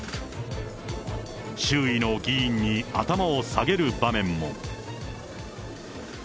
周囲の議員に頭を下げる場面も。